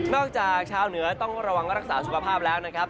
จากชาวเหนือต้องระวังรักษาสุขภาพแล้วนะครับ